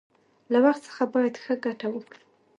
له وخت څخه باید ښه گټه واخلو.